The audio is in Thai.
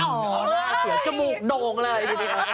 อ๋อหน้าเขียวจมูกโดงเลย